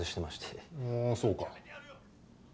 ああそうか。